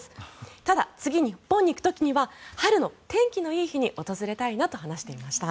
ただ、次日本に行く時には春の天気のいい日に訪れたいなと話していました。